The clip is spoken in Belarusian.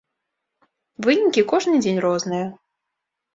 Вынікі кожны дзень розныя.